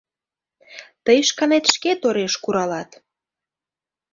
Тый шканет шке тореш куралат!